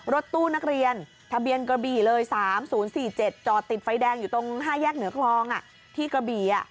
รถตู้นักเรียนทะเบียนกระบี่เลย๓๐๔๗จอดติดไฟแดงอยู่ตรง๕แยกเหนือคลองที่กระบี่